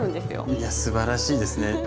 いやすばらしいですね。